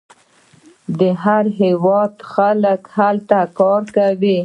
د هر هیواد خلک هلته کار کوي.